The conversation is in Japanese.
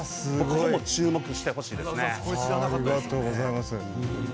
ここも注目してほしいですね。